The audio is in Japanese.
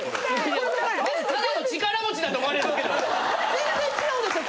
全然違うんですよ。